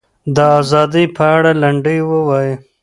د ازادۍ په اړه لنډۍ ووایي.